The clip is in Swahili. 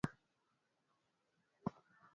Kudhoofika kiafya